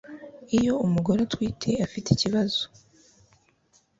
iyo umugore utwite afite ikibazo